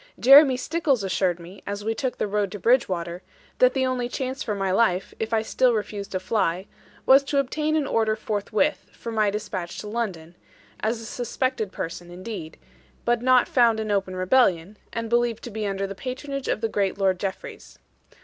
Jeremy Stickles assured me, as we took the road to Bridgwater, that the only chance for my life (if I still refused to fly) was to obtain an order forthwith, for my despatch to London, as a suspected person indeed, but not found in open rebellion, and believed to be under the patronage of the great Lord Jeffreys.